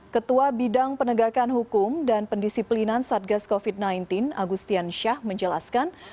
ketua bidang penegakan hukum dan pendisiplinan satgas covid sembilan belas agustian syah menjelaskan